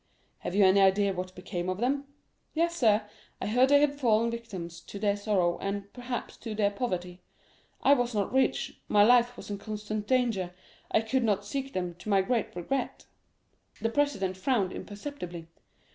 "'Have you any idea what became of them?'—'Yes, sir; I heard they had fallen victims to their sorrow, and, perhaps, to their poverty. I was not rich; my life was in constant danger; I could not seek them, to my great regret.' The president frowned imperceptibly.